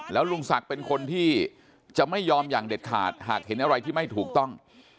แล้วลุงศักดิ์เป็นคนที่จะไม่ยอมอย่างเด็ดขาดหากเห็นอะไรที่ไม่ถูกต้อง